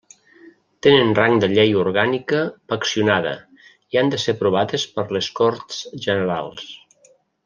Tenen rang de llei orgànica paccionada i han de ser aprovades per les Corts Generals.